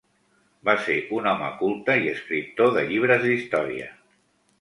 Va ser un home culte i escriptor de llibres d'història.